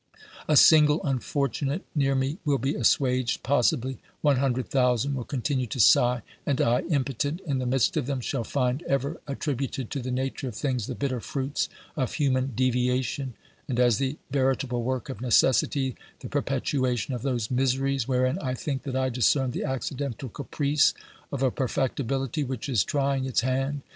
A single unfortunate near me will be assuaged possibly, one hundred thousand will continue to sigh ; and I, impotent in the midst of them, shall find ever attributed K 146 OBERMANN to the nature of things the bitter fruits of human deviation, and, as the veritable work of necessity, the perpetuation of those miseries wherein I think that I discern the accidental caprice of a perfectibility which is trying its hand.